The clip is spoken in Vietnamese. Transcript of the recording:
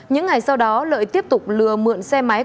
những ngày sau đó lợi tiếp tục lừa mượn xe máy